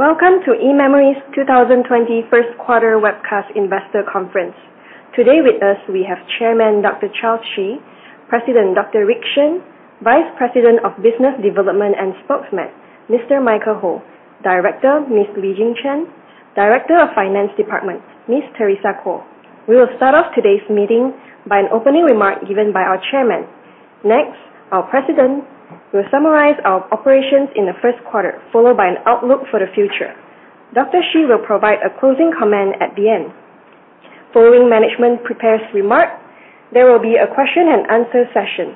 Welcome to eMemory's 2020 first quarter webcast investor conference. Today with us, we have Chairman, Dr. Charles Hsu; President, Dr. Rick Shen; Vice President of Business Development and Spokesman, Mr. Michael Ho; Director, Ms. Li-Jeng Chen; Director of Finance Department, Ms. Teresa Kuo. We will start off today's meeting by an opening remark given by our chairman. Next, our president will summarize our operations in the first quarter, followed by an outlook for the future. Dr. Hsu will provide a closing comment at the end. Following management prepared remarks, there will be a question and answer session.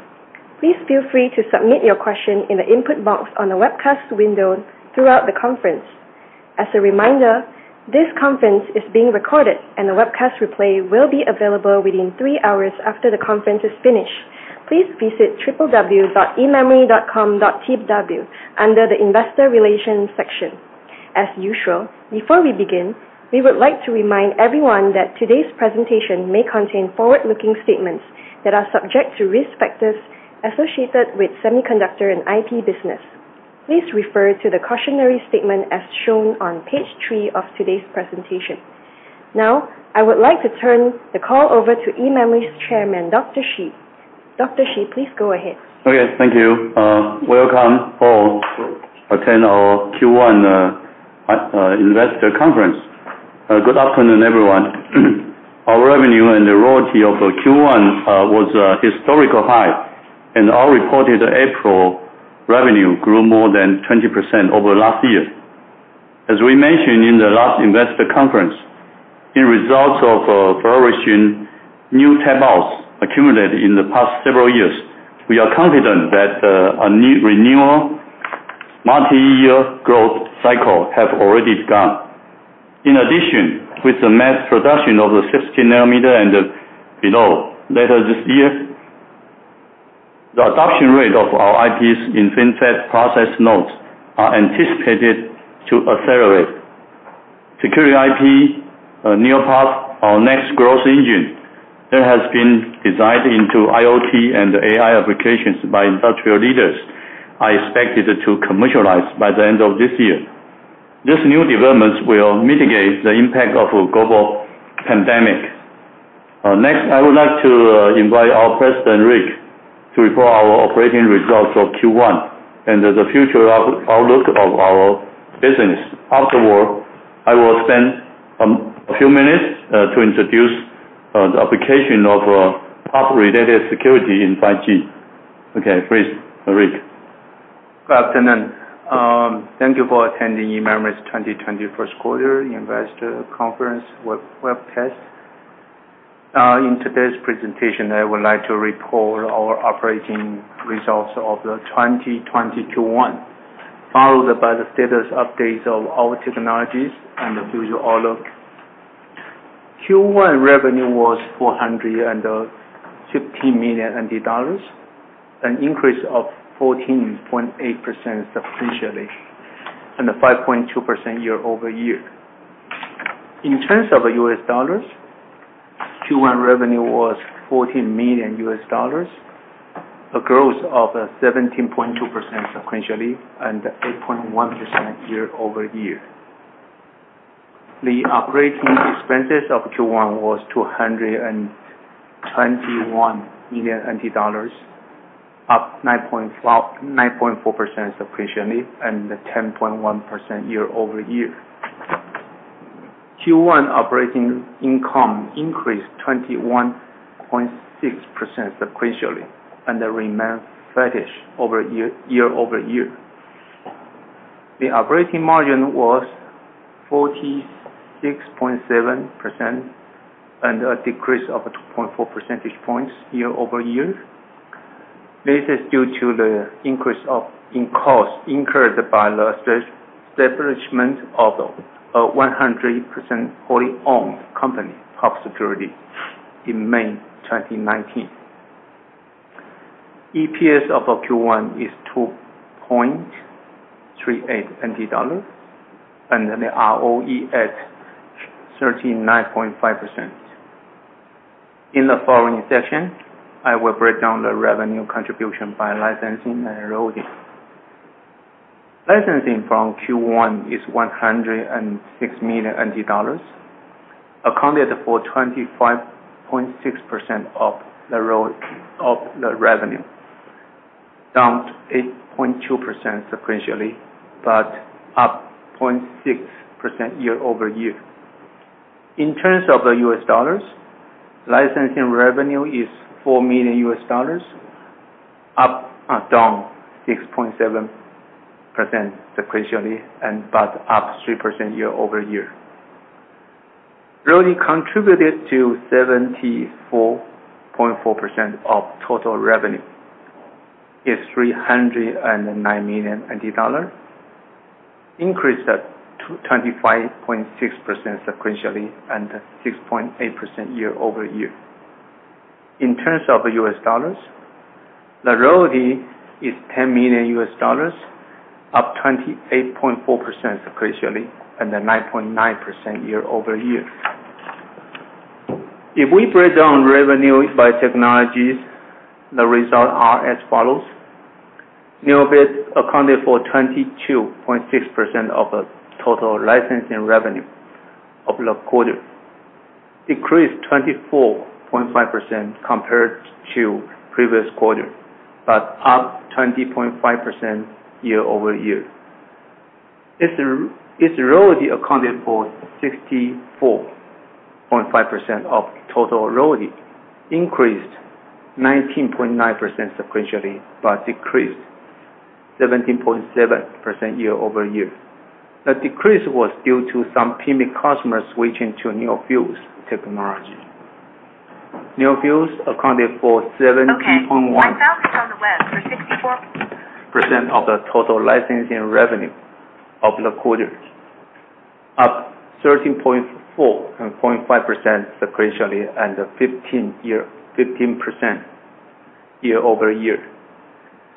Please feel free to submit your question in the input box on the webcast window throughout the conference. As a reminder, this conference is being recorded, and the webcast replay will be available within three hours after the conference is finished. Please visit www.ememory.com.tw under the investor relations section. As usual, before we begin, we would like to remind everyone that today's presentation may contain forward-looking statements that are subject to risk factors associated with semiconductor and IP business. Please refer to the cautionary statement as shown on page three of today's presentation. I would like to turn the call over to eMemory's Chairman, Dr. Hsu. Dr. Hsu, please go ahead. Okay. Thank you. Welcome all who attend our Q1 investor conference. Good afternoon, everyone. Our revenue and the royalty of Q1 was a historical high, and our reported April revenue grew more than 20% over last year. As we mentioned in the last investor conference, as a result of flourishing new tape-outs accumulated in the past several years, we are confident that a new renewal multiyear growth cycle has already begun. In addition, with the mass production of the 16 nanometer and below later this year, the adoption rate of our IPs in FinFET process nodes are anticipated to accelerate. Security IP, NeoPUF, our next growth engine that has been designed into IoT and AI applications by industrial leaders, are expected to commercialize by the end of this year. This new development will mitigate the impact of global pandemic. Next, I would like to invite our President, Rick, to report our operating results of Q1 and the future outlook of our business. Afterward, I will spend a few minutes to introduce the application of PUF-related security in 5G. Okay. Please, Rick. Good afternoon. Thank you for attending eMemory's 2020 first quarter investor conference webcast. In today's presentation, I would like to report our operating results of the 2020 Q1, followed by the status updates of our technologies and the future outlook. Q1 revenue was 415 million dollars, an increase of 14.8% sequentially, and 5.2% year-over-year. In terms of US dollars, Q1 revenue was $14 million, a growth of 17.2% sequentially and 8.1% year-over-year. The operating expenses of Q1 was 221 million NT dollars, up 9.4% sequentially and 10.1% year-over-year. Q1 operating income increased 21.6% sequentially and remained flattish year-over-year. The operating margin was 46.7%, and a decrease of 2.4 percentage points year-over-year. This is due to the increase in costs incurred by the establishment of a 100% wholly owned company, PUFsecurity, in May 2019. EPS of Q1 is TWD 2.38, and the ROE at 39.5%. In the following session, I will break down the revenue contribution by licensing and royalty. Licensing from Q1 is 106 million dollars, accounted for 25.6% of the revenue, down 8.2% sequentially, but up 0.6% year-over-year. In terms of US dollars, licensing revenue is $4 million, down 6.7% sequentially, but up 3% year-over-year. Royalty contributed to 74.4% of total revenue, is TWD 309 million, increased to 25.6% sequentially and 6.8% year-over-year. In terms of US dollars, the royalty is $10 million, up 28.4% sequentially and then 9.9% year-over-year. If we break down revenue by technologies, the results are as follows: NeoBit accounted for 22.6% of the total licensing revenue of the quarter, decreased 24.5% compared to previous quarter, but up 20.5% year-over-year. Its royalty accounted for 64.5% of total royalty, increased 19.9% sequentially, but decreased 17.7% year-over-year. The decrease was due to some PMIC customers switching to NeoFuse technology. NeoFuse accounted for 17.1. Okay, 1,000 on the West for 64. Percent of the total licensing revenue of the quarter, up 13.4 and 0.5%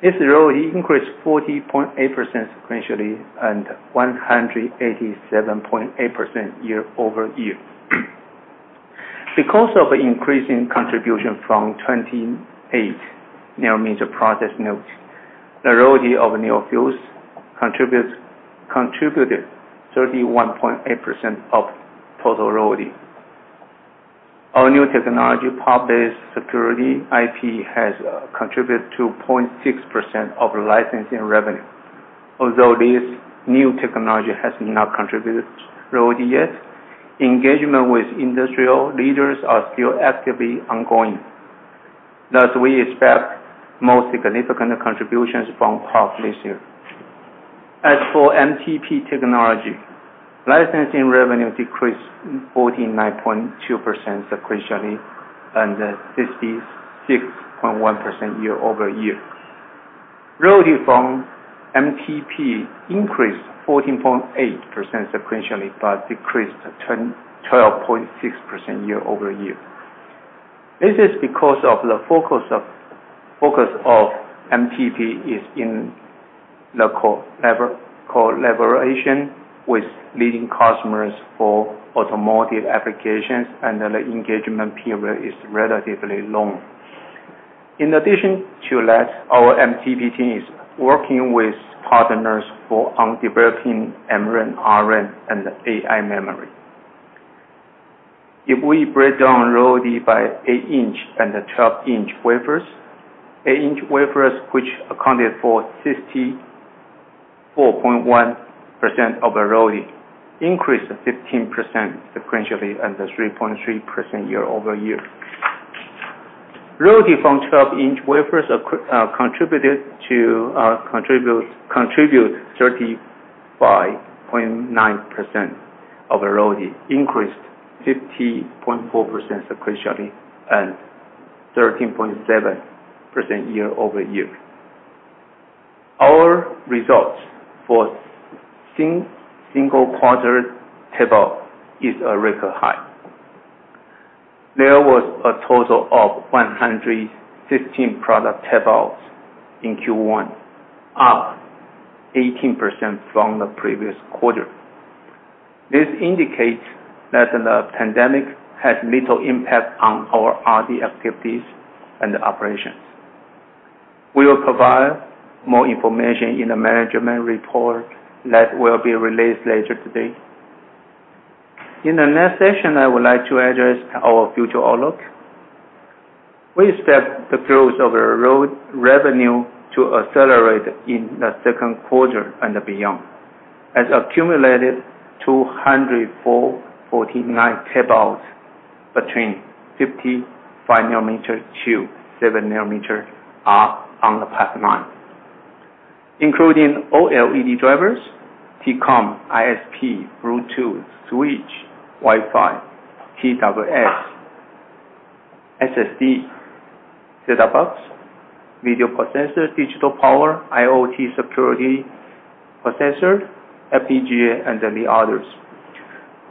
sequentially and 15% year-over-year. Its royalty increased 40.8% sequentially and 187.8% year-over-year. Because of increasing contribution from 28 nanometer process nodes, the royalty of NeoFuse contributed 31.8% of total royalty. Our new technology, PUF-based security IP, has contributed to 0.6% of licensing revenue. Although this new technology has not contributed royalty yet, engagement with industrial leaders are still actively ongoing. Thus, we expect more significant contributions from PUF this year. As for NeoMTP technology, licensing revenue decreased 49.2% sequentially and 56.1% year-over-year. Royalty from NeoMTP increased 14.8% sequentially, but decreased 12.6% year-over-year. This is because of the focus of NeoMTP is in the collaboration with leading customers for automotive applications, and the engagement period is relatively long. In addition to that, our NeoMTP team is working with partners on developing MRAM, ReRAM, and AI memory. If we break down royalty by 8-inch and the 12-inch wafers, 8-inch wafers, which accounted for 64.1% of the royalty, increased 15% sequentially and 3.3% year-over-year. Royalty from 12-inch wafers contribute 35.9% of the royalty, increased 50.4% sequentially, and 13.7% year-over-year. Our results for single quarter tape-out is a record high. There was a total of 115 product tape-outs in Q1, up 18% from the previous quarter. This indicates that the pandemic has little impact on our R&D activities and operations. We will provide more information in the management report that will be released later today. In the next section, I would like to address our future outlook. We expect the growth of the royalty revenue to accelerate in the second quarter and beyond. Accumulated 249 tape outs between 55 nanometer to seven nanometer are on the pipeline, including OLED drivers, T-CON, ISP, Bluetooth, switch, Wi-Fi, TWS, SSD, set-top box, video processor, digital power, IoT security processor, FPGA, and the others,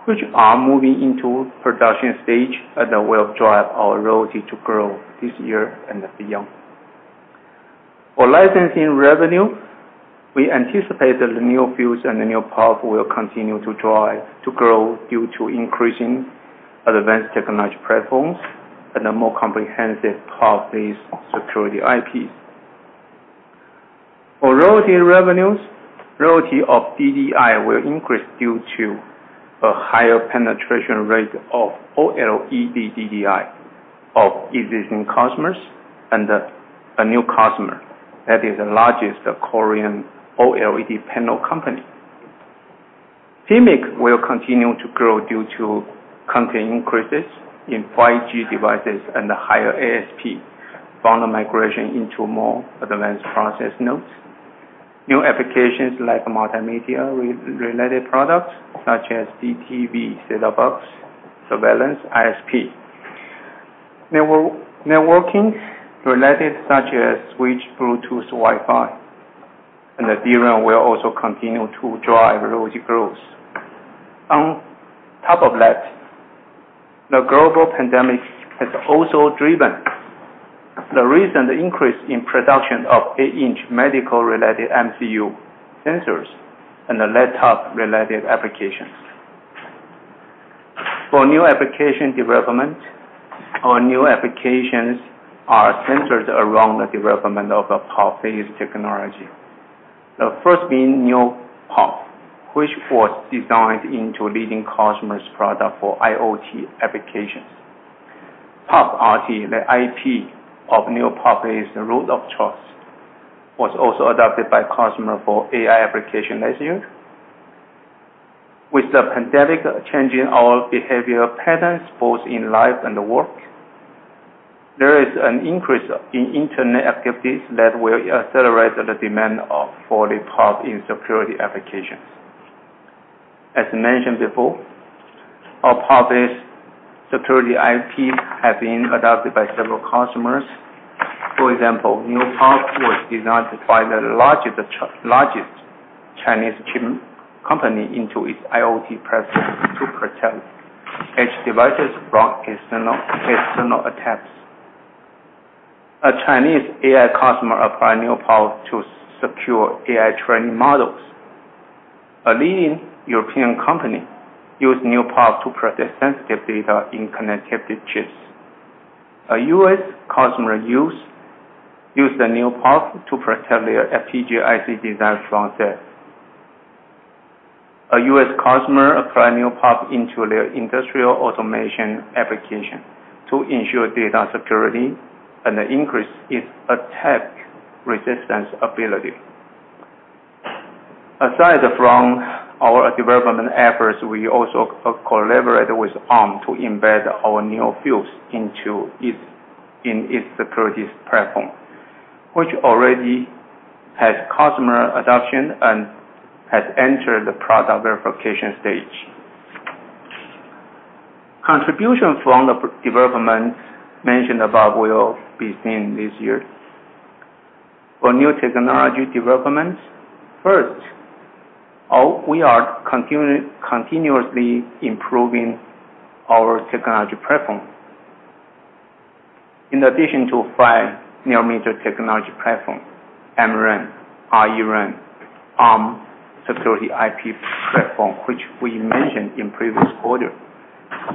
which are moving into production stage and that will drive our royalty to grow this year and beyond. Licensing revenue, we anticipate that the NeoFuse and the NeoPUF will continue to grow due to increasing advanced technology platforms and a more comprehensive PUF-based security IPs. Royalty revenues, royalty of DDI will increase due to a higher penetration rate of OLED DDI of existing customers and a new customer that is the largest Korean OLED panel company. PMIC will continue to grow due to continued increases in 5G devices and higher ASP from the migration into more advanced process nodes. New applications like multimedia-related products such as DTV, set-top box, surveillance, ISP. Networking-related such as switch, Bluetooth, Wi-Fi, and the DRAM will also continue to drive royalty growth. On top of that, the global pandemic has also driven the recent increase in production of eight-inch medical related MCU sensors and the laptop related applications. For new application development, our new applications are centered around the development of a PUF-based technology. The first being NeoPUF, which was designed into leading customers' product for IoT applications. PUFrt, the IP of NeoPUF, is the Root of Trust, was also adopted by customer for AI application last year. With the pandemic changing our behavior patterns, both in life and work, there is an increase in Internet activities that will accelerate the demand for the PUF in security applications. As mentioned before, our PUF-based security IP have been adopted by several customers. For example, NeoPUF was designed by the largest Chinese chip company into its IoT processor to protect edge devices from external attempts. A Chinese AI customer applied NeoPUF to secure AI training models. A leading European company use NeoPUF to protect sensitive data in connectivity chips. A U.S. customer used the NeoPUF to protect their FPGA IC designs from theft. A U.S. customer applied NeoPUF into their industrial automation application to ensure data security and increase its attack resistance ability. Aside from our development efforts, we also collaborate with Arm to embed our NeoFuse in its security platform, which already has customer adoption and has entered the product verification stage. Contributions from the development mentioned above will be seen this year. For new technology developments, first, we are continuously improving our technology platform. In addition to 5 nanometer technology platform, eMemory, i-RENE, Arm security IP platform, which we mentioned in previous quarter,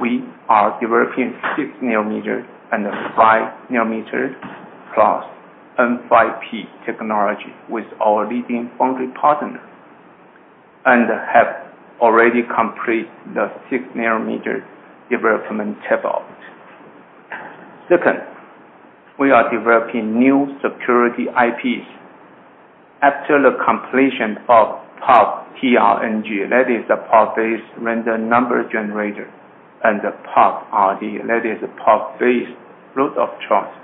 we are developing 6 nanometer and 5 nanometer plus N5P technology with our leading foundry partner and have already completed the 6-nanometer development tape out. Second, we are developing new security IPs. After the completion of PUFtrng, that is a PUF-based random number generator, and the PUFrt, that is a PUF-based Root of Trust.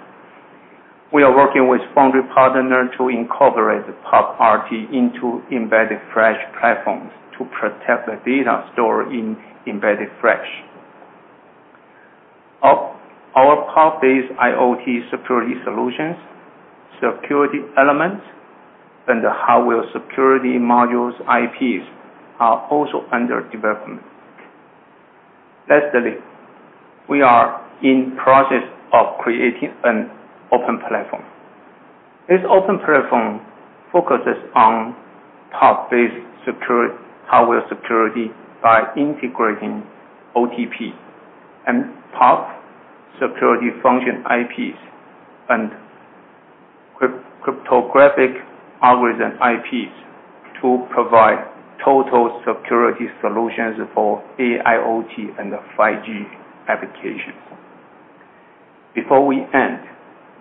We are working with foundry partner to incorporate the PUFrt into Embedded Flash platforms to protect the data stored in Embedded Flash. Our PUF-based IoT security solutions, security elements, and the hardware security modules IPs are also under development. Lastly, we are in process of creating an open platform. This open platform focuses on PUF-based hardware security by integrating OTP and PUF security function IPs and cryptographic algorithm IPs to provide total security solutions for AIoT and 5G applications. Before we end,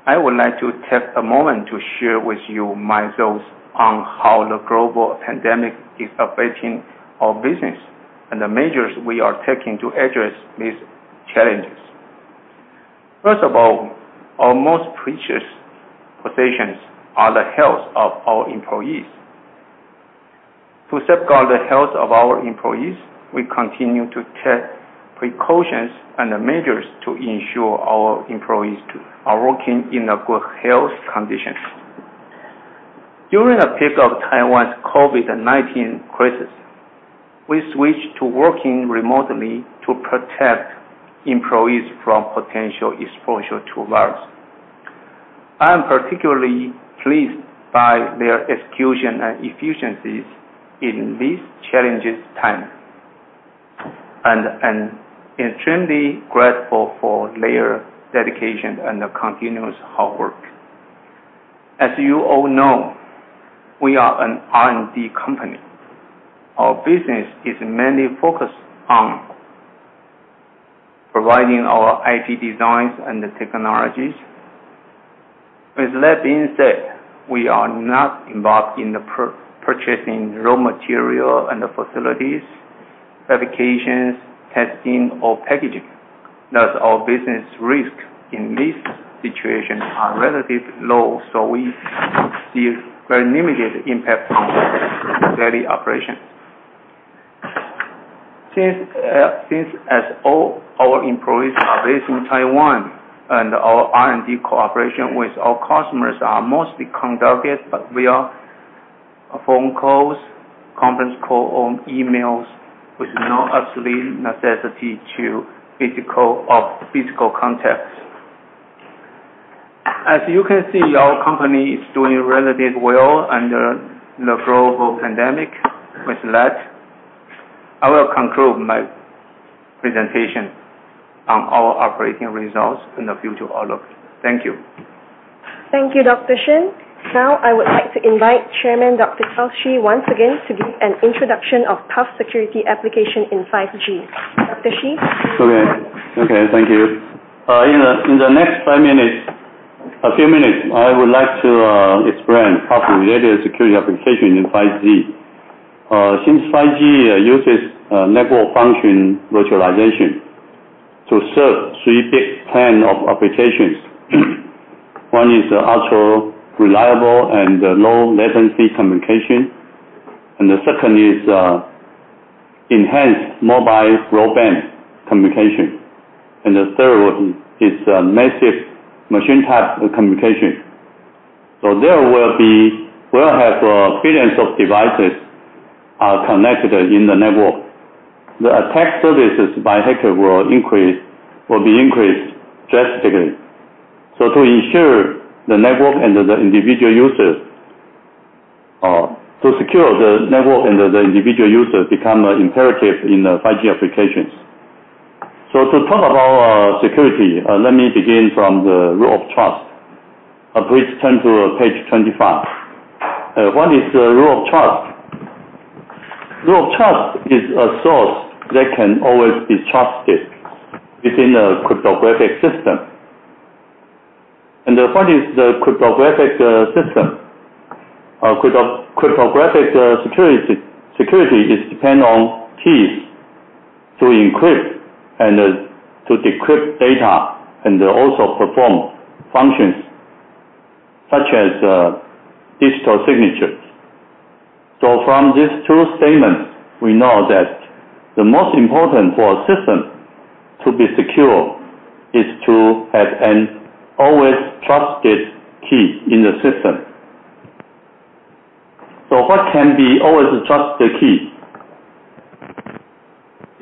I would like to take a moment to share with you my thoughts on how the global pandemic is affecting our business and the measures we are taking to address these challenges. First of all, our most precious possessions are the health of our employees. To safeguard the health of our employees, we continue to take precautions and measures to ensure our employees are working in a good health condition. During the peak of Taiwan's COVID-19 crisis, we switched to working remotely to protect employees from potential exposure to virus. I am particularly pleased by their execution and efficiencies in this challenging time, and I'm extremely grateful for their dedication and the continuous hard work. As you all know, we are an R&D company. Our business is mainly focused on providing our IP designs and the technologies. With that being said, we are not involved in the purchasing raw material and facilities, fabrications, testing, or packaging. Thus, our business risk in this situation are relatively low, so we see very limited impact on our daily operations. Since as all our employees are based in Taiwan and our R&D cooperation with our customers are mostly conducted via Phone calls, conference call, or emails with no absolute necessity to physical contacts. As you can see, our company is doing relatively well under the global pandemic. With that, I will conclude my presentation on our operating results and the future outlook. Thank you. Thank you, Dr. Shen. I would like to invite Chairman, Dr. Charles Hsu, once again to give an introduction of PUFsecurity application in 5G. Dr. Hsu? Okay. Thank you. In the next few minutes, I would like to explain how related security application in 5G. 5G uses Network Function Virtualization to serve three big types of applications. One is the Ultra-Reliable and Low-Latency Communication, the second is Enhanced Mobile Broadband communication. The third one is Massive Machine-Type Communication. There will have billions of devices are connected in the network. The attack surfaces by hacker will be increased drastically. To ensure the network and the individual users, or to secure the network and the individual users, become imperative in the 5G applications. To talk about security, let me begin from the Root of Trust. Please turn to page 25. What is the Root of Trust? Root of Trust is a source that can always be trusted within a cryptographic system. What is the cryptographic system? Cryptographic security is dependent on keys to encrypt and to decrypt data, and also perform functions such as digital signatures. From these two statements, we know that the most important for a system to be secure is to have an always trusted key in the system. What can be always trusted key?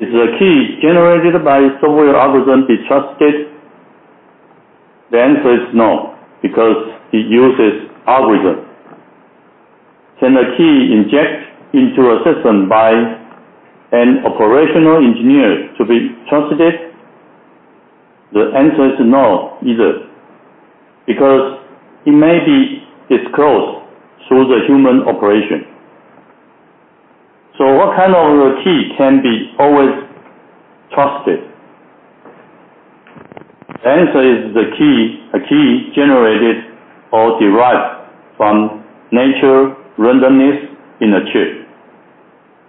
Is the key generated by software algorithm be trusted? The answer is no, because it uses algorithm. Can a key inject into a system by an operational engineer to be trusted? The answer is no, either, because it may be disclosed through the human operation. What kind of a key can be always trusted? The answer is a key generated or derived from natural randomness in a chip.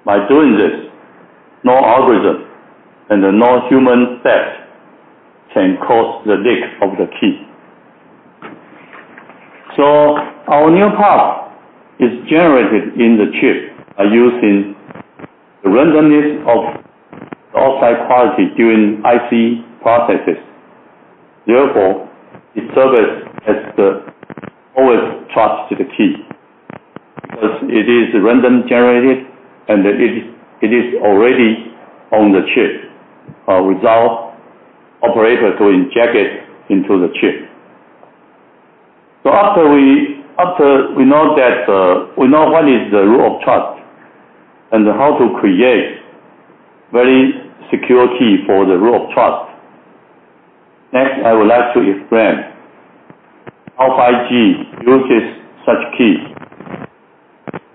By doing this, no algorithm and no human theft can cause the leak of the key. Our NeoPUF is generated in the chip by using the randomness of the oxide quality during IC processes. Therefore, it serves as the always trusted key, because it is random generated, and it is already on the chip, without operator to inject it into the chip. After we know what is the Root of Trust and how to create very secure key for the Root of Trust, next, I would like to explain how 5G uses such key.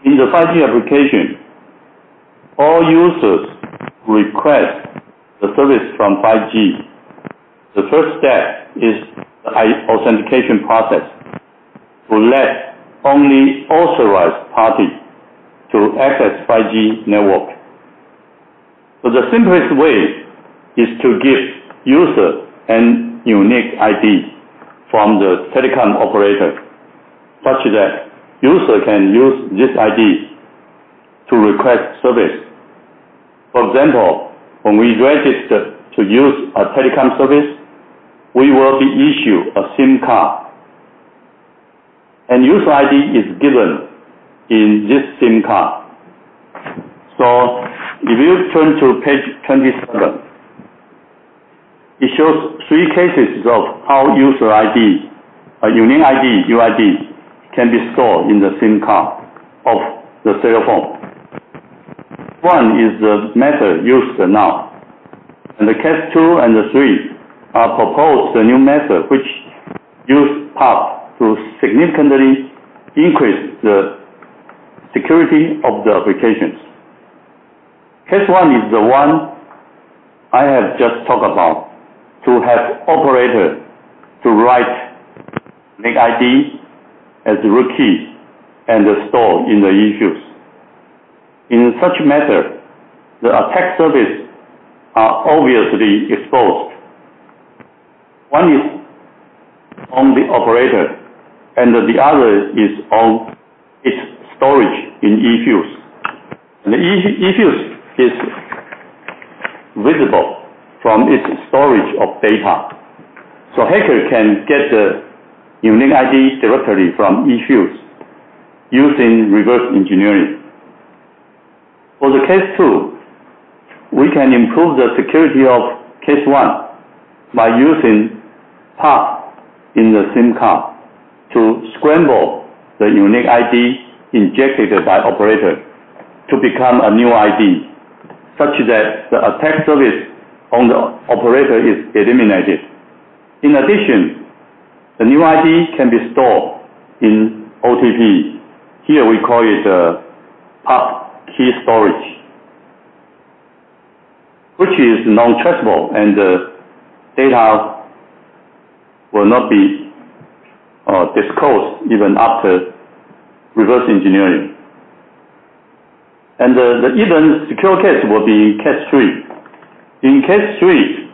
In the 5G application, all users request the service from 5G. The first step is authentication process, to let only authorized party to access 5G network. The simplest way is to give user an unique ID from the telecom operator, such that user can use this ID to request service. If you turn to page 27, it shows three cases of how unique ID, UID, can be stored in the SIM card of the cellular phone. One is the method used now, and the case 2 and the case 3 are proposed the new method, which use PUF to significantly increase the security of the applications. Case 1 is the one I have just talked about, to have operator to write unique ID as root key and store in the eFuse. In such method, the attack surface are obviously exposed. One is on the operator, and the other is storage in eFuse. eFuse is visible from its storage of data. Hacker can get the unique ID directly from eFuse using reverse engineering. For the case 2, we can improve the security of case 1 by using PUF in the SIM card to scramble the unique ID injected by operator to become a new ID, such that the attack service on the operator is eliminated. In addition, the new ID can be stored in OTP. Here we call it, PUF key storage, which is non-traceable and the data will not be disclosed even after reverse engineering. The even secure case will be case 3. In case 3,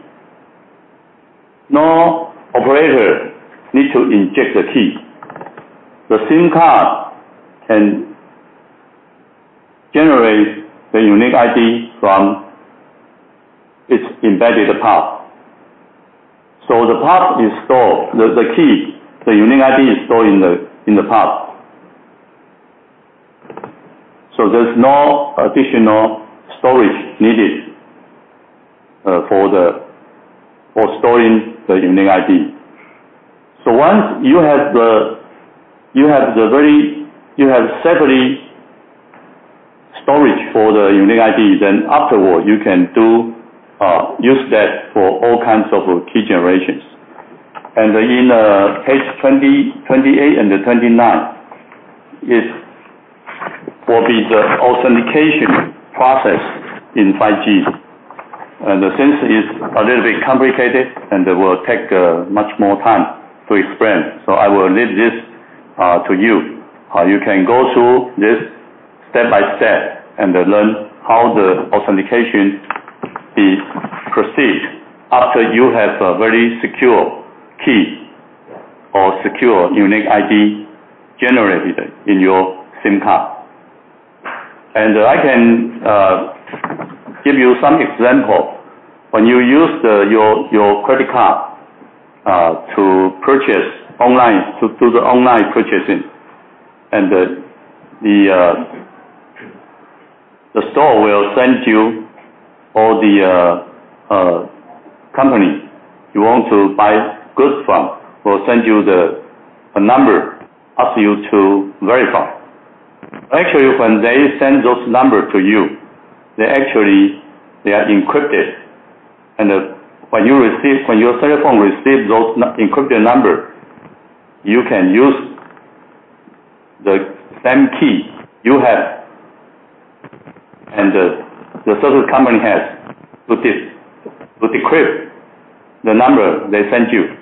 no operator need to inject the key. The SIM card can generate the unique ID from its embedded PUF. The unique ID is stored in the PUF. There's no additional storage needed for storing the unique ID. Once you have separate storage for the unique ID, then afterward you can use that for all kinds of key generations. In page 28 and 29, it will be the authentication process in 5G. Since it is a little bit complicated and it will take much more time to explain, I will leave this to you. You can go through this step by step and learn how the authentication is proceeded after you have a very secure key or secure unique ID generated in your SIM card. I can give you some example. When you use your credit card to do the online purchasing, and the store will send you, or the company you want to buy goods from, will send you a number, ask you to verify. Actually, when they send those numbers to you, they are encrypted. When your cell phone receives those encrypted number, you can use the same key you have and the service company has, to decrypt the number they send you.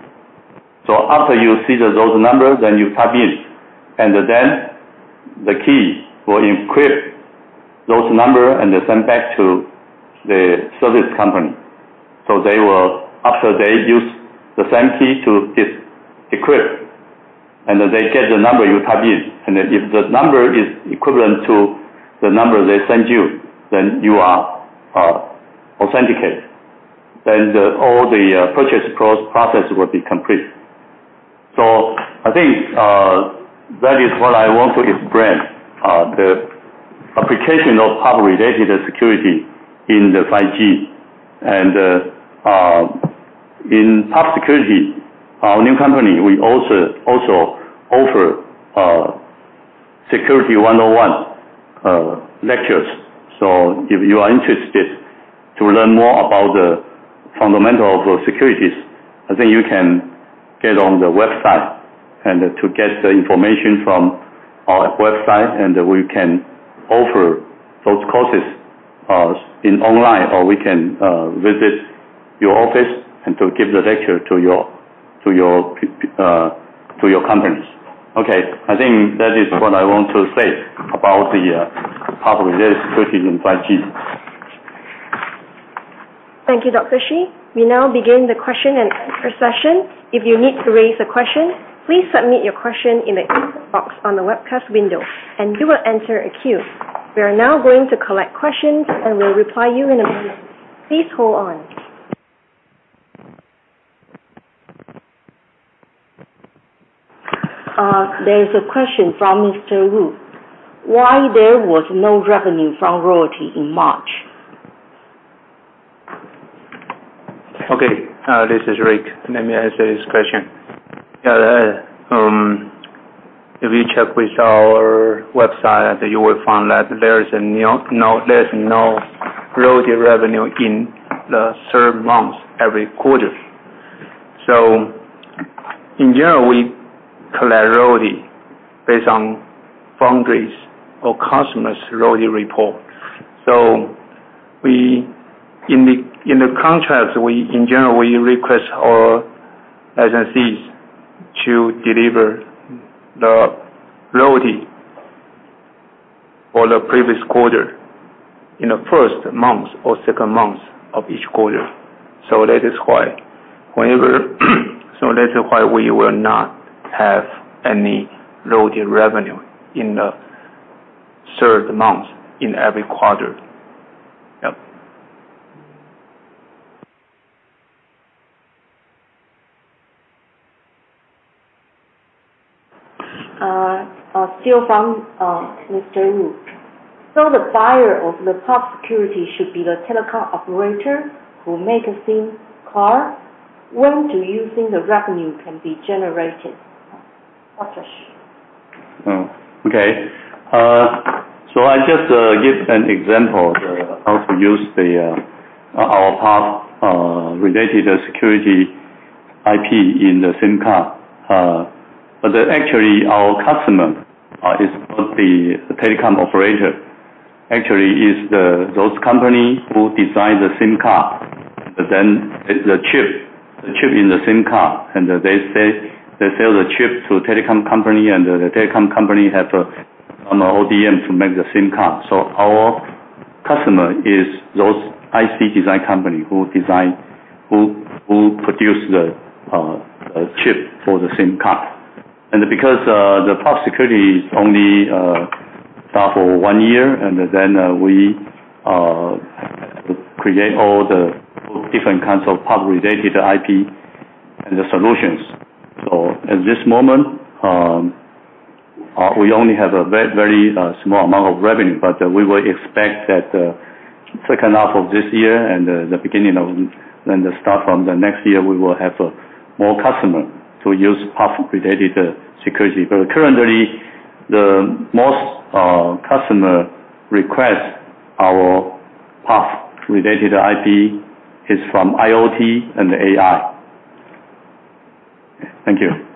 After you see those numbers, then you type in, and then the key will encrypt those number and send back to the service company. After they use the same key to decrypt, and they get the number you type in, and if the number is equivalent to the number they send you, then you are authenticated. All the purchase process will be complete. I think, that is what I want to explain. The application of PUF-related security in the 5G and in PUFsecurity, our new company, we also offer Security 101 lectures. If you are interested to learn more about the fundamental of securities, I think you can get on the website and to get the information from our website, and we can offer those courses online, or we can visit your office and to give the lecture to your companies. Okay. I think that is what I want to say about the PUF-related security in 5G. Thank you, Dr. Hsu. We now begin the question and answer session. If you need to raise a question, please submit your question in the input box on the webcast window and you will enter a queue. We are now going to collect questions and will reply you in a moment. Please hold on. There is a question from Mr. Wu. Why there was no revenue from royalty in March? Okay. This is Rick. Let me answer this question. You check with our website, you will find that there's no royalty revenue in the third month every quarter. In general, we collect royalty based on founders or customers royalty report. In the contracts, in general, we request our licensees to deliver the royalty for the previous quarter in the first month or second month of each quarter. That is why we will not have any royalty revenue in the third month in every quarter. Yep. Still from Mr. Wu. The buyer of the PUF security should be the telecom operator who make a SIM card. When do you think the revenue can be generated? Okay. I just give an example how to use our PUF-related security IP in the SIM card. Actually, our customer is not the telecom operator, actually is those companies who design the SIM card, then the chip in the SIM card, and they sell the chip to telecom company, and the telecom company have an ODM to make the SIM card. Our customer is those IC design company who produce the chip for the SIM card. Because, the PUFsecurity is only start for one year, then we create all the different kinds of PUF-related IP and the solutions. At this moment, we only have a very small amount of revenue, but we will expect that the second half of this year and the beginning of, and the start from the next year, we will have more customer to use PUF-related security. Currently, the most customer request our PUF-related IP is from IoT and AI. Thank you.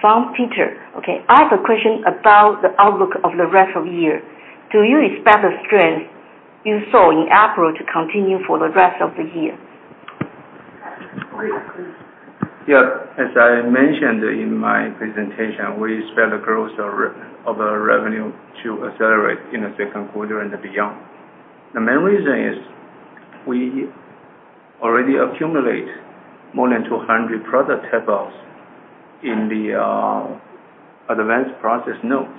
From Peter. Okay. I have a question about the outlook of the rest of year. Do you expect the strength you saw in April to continue for the rest of the year? Yeah. As I mentioned in my presentation, we expect the growth of our revenue to accelerate in the second quarter and beyond. The main reason is we already accumulate more than 200 product tape outs in the advanced process nodes.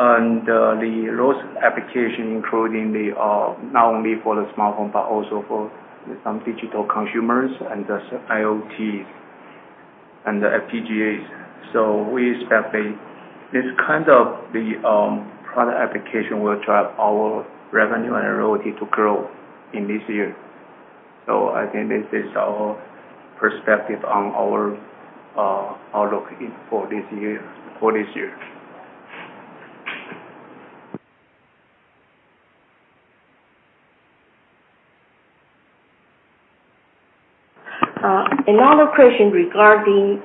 Those application, including not only for the smartphone, but also for some digital consumers and the IoT and the FPGAs. We expect this kind of product application will drive our revenue and royalty to grow in this year. I think this is our perspective on our outlook for this year. Another question regarding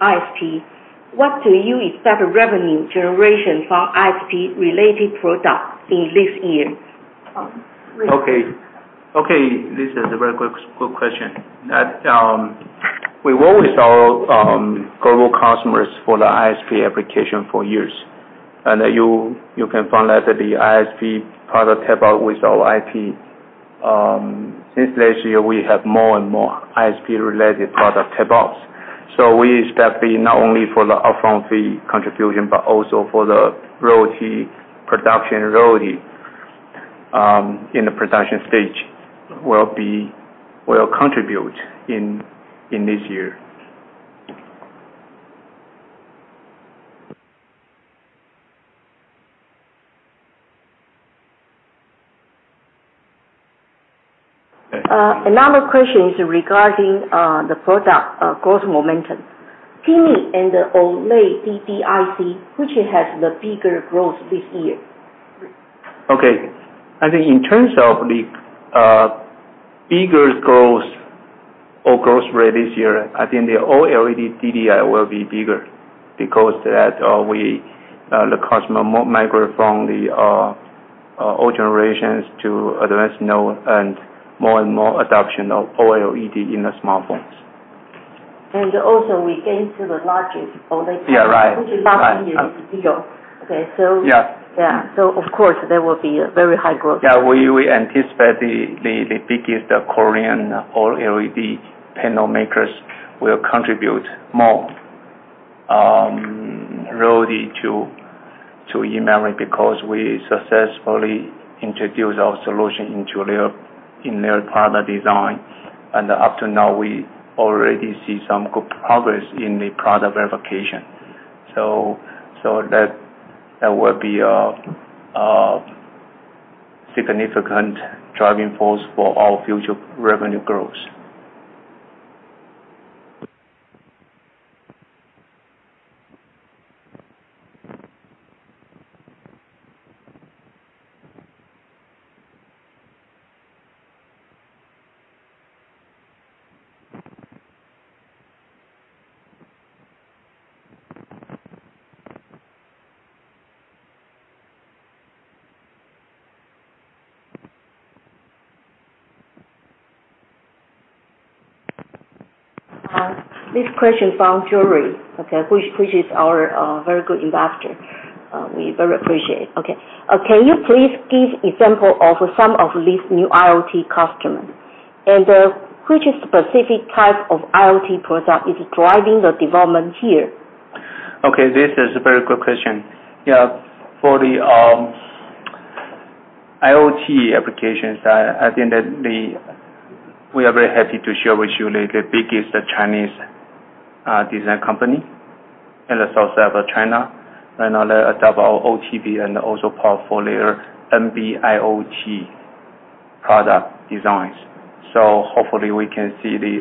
ISP. What do you expect the revenue generation from ISP related products in this year? Okay. This is a very good question. We work with our global customers for the ISP application for years. You can find out that the ISP product tape-out with our IP. Since last year, we have more and more ISP related product tape-outs. We expect not only for the upfront fee contribution, but also for the royalty, production royalty, in the production stage will contribute in this year. Another question is regarding the product growth momentum. PMIC and OLED DDI, which has the bigger growth this year? Okay. I think in terms of the. Bigger growth or growth rate this year, I think the OLED DDI will be bigger because the customer might move from the old generations to advanced node and more and more adoption of OLED in the smartphones. Also we gain to the. Yeah, right. Which last year was zero. Okay. Yeah. Yeah. Of course, there will be a very high growth. Yeah. We anticipate the biggest Korean OLED panel makers will contribute more royalty to eMemory because we successfully introduced our solution in their product design. Up to now, we already see some good progress in the product verification. That will be a significant driving force for our future revenue growth. This question from Jerry, okay, which is our very good investor. We very appreciate. Okay. Can you please give example of some of these new IoT customers? Which specific type of IoT product is driving the development here? Okay, this is a very good question. For the IoT applications, I think that we are very happy to share with you the biggest Chinese design company in the south side of China, adopt our OTP and also NeoPUF NB-IoT product designs. Hopefully we can see the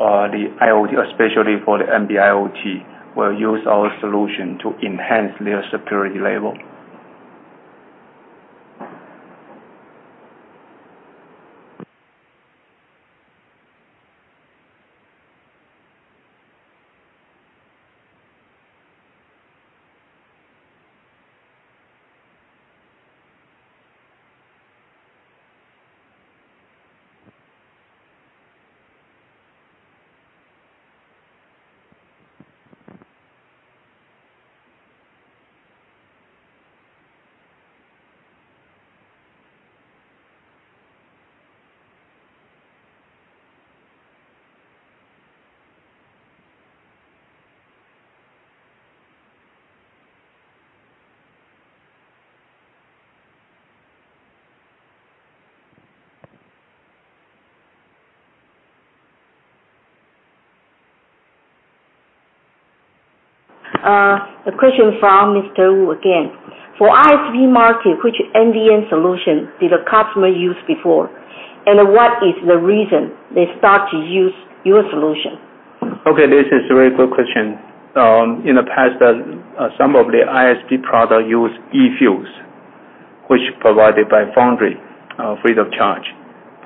IoT, especially for the NB-IoT, will use our solution to enhance their security level. A question from Mr. Wu again. For ISP market, which NVM solution did a customer use before? What is the reason they start to use your solution? Okay, this is a very good question. In the past, some of the ISP product use eFuse, which provided by foundry, free of charge.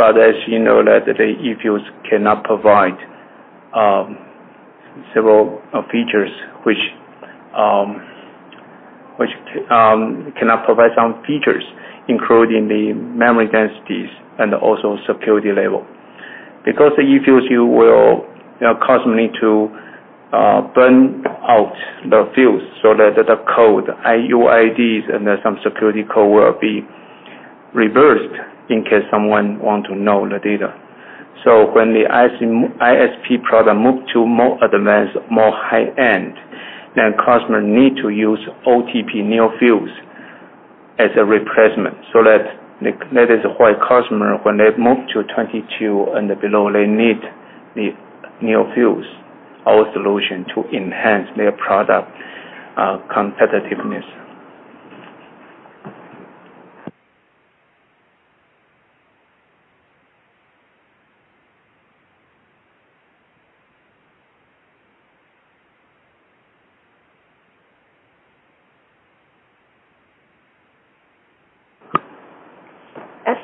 As you know, the eFuse cannot provide several features, including the memory densities and also security level. The eFuse, you will constantly to burn out the fuse so that the code, UIDs, and some security code will be reversed in case someone want to know the data. When the ISP product move to more advanced, more high-end, then customer need to use OTP NeoFuse as a replacement. That is why customer, when they move to 22 and below, they need the NeoFuse, our solution, to enhance their product competitiveness.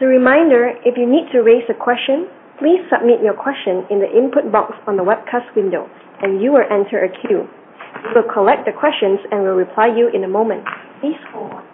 As a reminder, if you need to raise a question, please submit your question in the input box on the webcast window and you will enter a queue. We will collect the questions and will reply you in a moment. Please hold.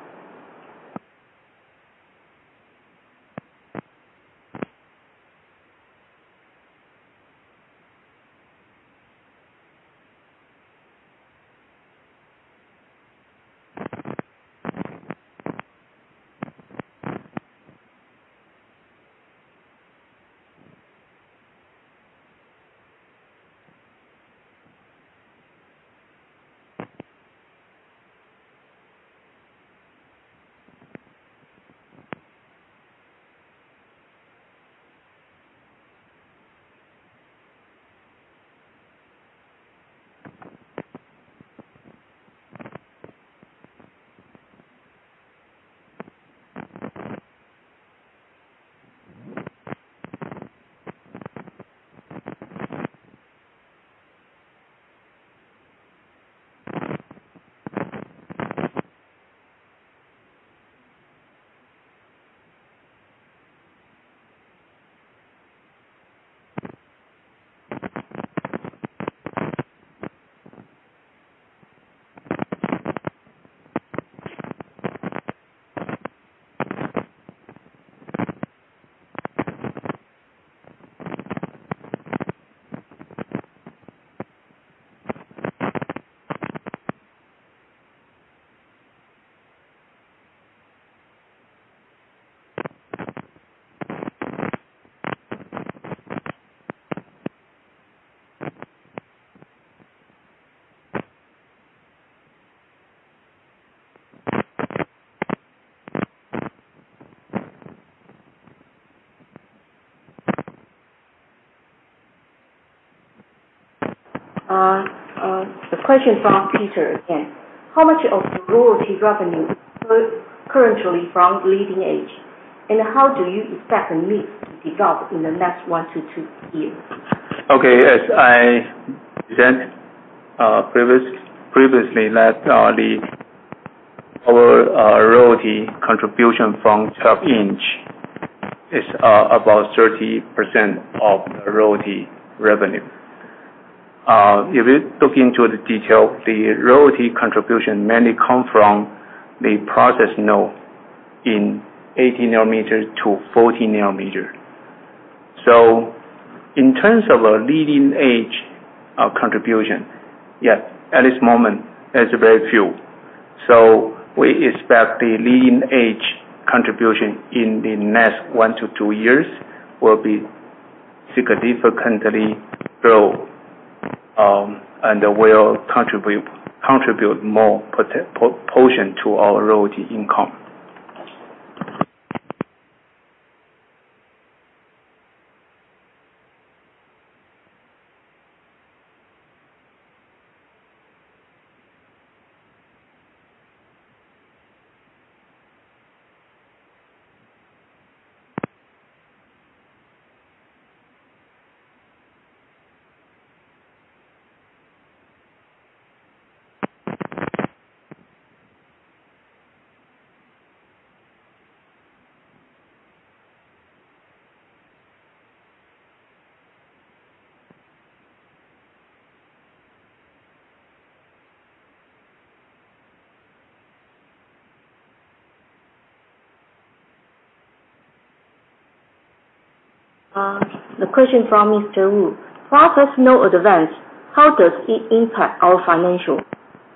A question from Peter again. How much of the royalty revenue is currently from leading edge, and how do you expect the mix to develop in the next one to two years? Okay. As I presented previously, our royalty contribution from 12-inch is about 30% of the royalty revenue. If you look into the detail, the royalty contribution mainly comes from the process node in 80 nanometers to 14 nanometers. In terms of our leading edge contribution, yes, at this moment, it's very few. We expect the leading edge contribution in the next one to two years will significantly grow, and will contribute more portion to our royalty income. A question from Mr. Wu. Process node advance, how does it impact our financial?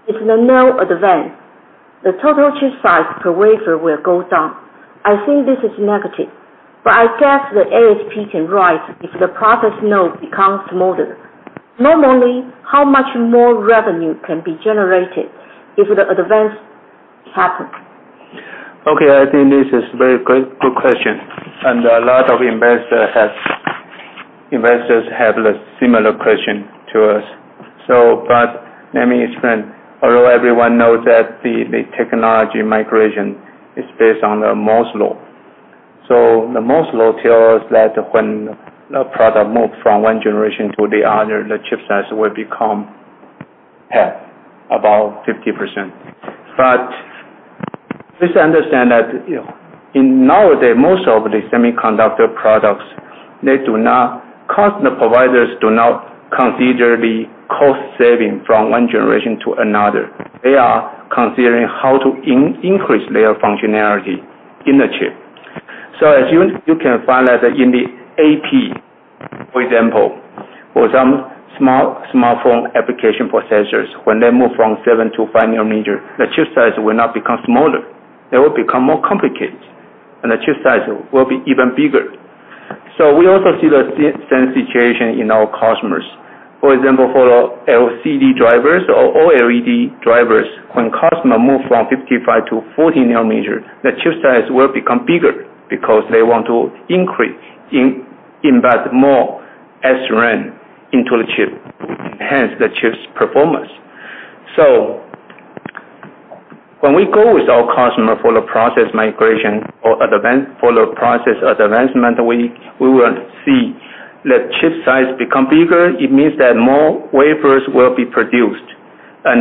If the node advance, the total chip size per wafer will go down. I think this is negative. I guess the ASP can rise if the process node becomes smaller. Normally, how much more revenue can be generated if the advance happens? Okay. I think this is a very good question, and a lot of investors have a similar question to us. Let me explain. Although everyone knows that the technology migration is based on Moore's Law. Moore's Law tells that when a product moves from one generation to the other, the chip size will become half, about 50%. Please understand that in nowadays, most of the semiconductor products, customer providers do not consider the cost saving from one generation to another. They are considering how to increase their functionality in the chip. As you can find out that in the AP, for example, for some smartphone application processors, when they move from seven to five nanometer, the chip size will not become smaller. It will become more complicated, and the chip size will be even bigger. We also see the same situation in our customers. For example, for LCD drivers or LED drivers, when customer move from 55 to 40 nanometer, the chip size will become bigger because they want to embed more SRAM into the chip, hence the chip's performance. When we go with our customer for the process migration or for the process advancement, we will see the chip size become bigger. It means that more wafers will be produced, and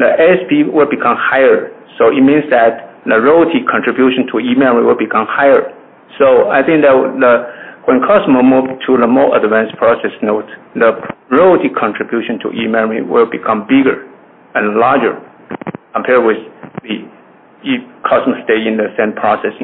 the ASP will become higher. It means that the royalty contribution to eMemory will become higher. I think that when customer move to the more advanced process node, the royalty contribution to eMemory will become bigger and larger compared with if customer stay in the same process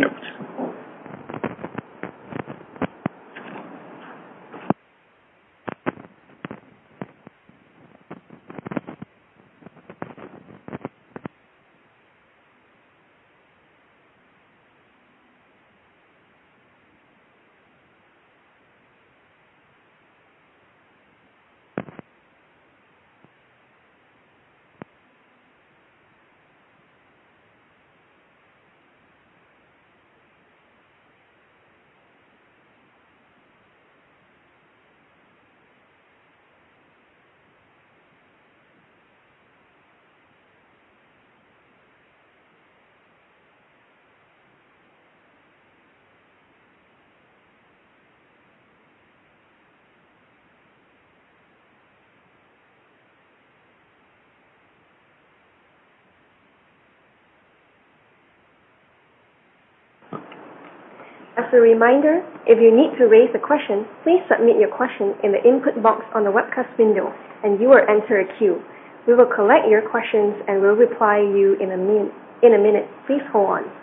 node. As a reminder, if you need to raise a question, please submit your question in the input box on the webcast window and you will enter a queue. We will collect your questions and will reply you in a minute. Please hold on.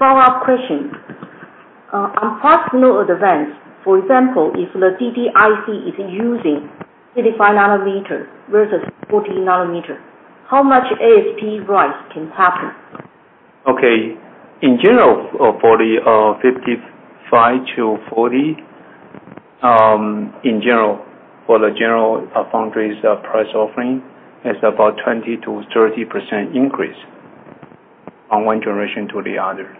Follow-up question. On process node advance, for example, if the DDIC is using 55 nanometer versus 40 nanometer, how much ASP rise can happen? In general, for the 55-40, for the general foundries price offering, it's about 20%-30% increase on one generation to the other.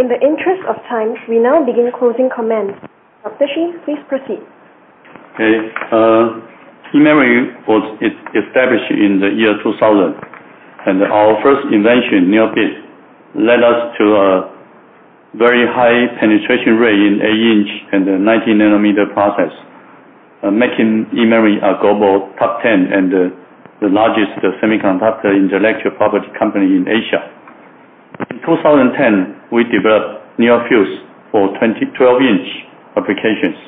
In the interest of time, we now begin closing comments. Dr. Hsu, please proceed. Okay. eMemory was established in the year 2000, and our first invention, NeoBit, led us to a very high penetration rate in eight-inch and the 90 nanometer process, making eMemory a global top 10 and the largest semiconductor intellectual property company in Asia. In 2010, we developed NeoFuse for 12-inch applications.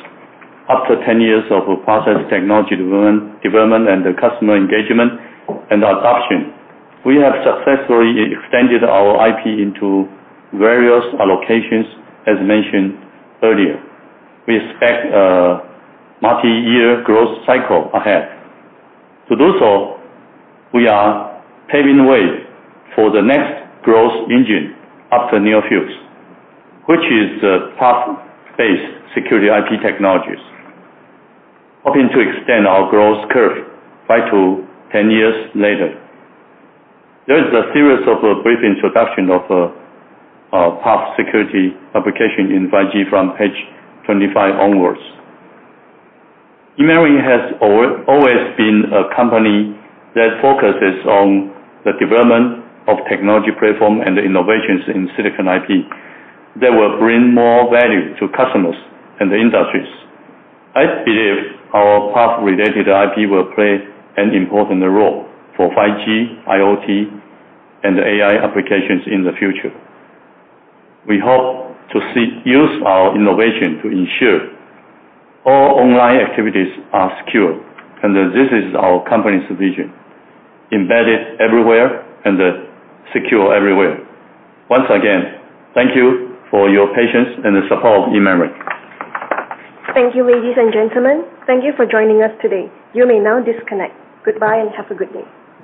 After 10 years of process technology development and customer engagement and adoption, we have successfully extended our IP into various allocations as mentioned earlier. We expect a multi-year growth cycle ahead. To do so, we are paving the way for the next growth engine after NeoFuse, which is the PUF-based security IP technologies, hoping to extend our growth curve by two to 10 years later. There is a series of a brief introduction of PUF security application in 5G from page 25 onwards. eMemory has always been a company that focuses on the development of technology platform and innovations in silicon IP that will bring more value to customers and the industries. I believe our PUF-related security will play an important role for 5G, IoT, and AI applications in the future. We hope to use our innovation to ensure all online activities are secure, and this is our company's vision: Embedded everywhere and secure everywhere. Once again, thank you for your patience and the support of eMemory. Thank you, ladies and gentlemen. Thank you for joining us today. You may now disconnect. Goodbye and have a good day.